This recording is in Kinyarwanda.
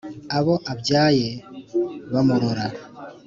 Abo abyaye bamurora